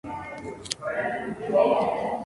Sverdlovsk es un centro de minero del carbón.